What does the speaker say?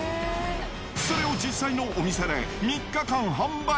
それを実際のお店で３日間販売。